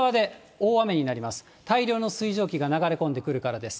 大量の水蒸気が流れ込んでくるからです。